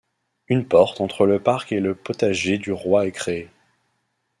Une porte entre le parc et le Potager du roi est créée.